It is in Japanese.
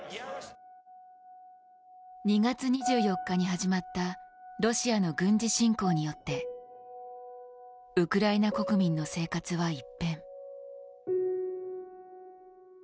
２月２４日に始まったロシアの軍事侵攻によってウクライナ国民の生活は一変。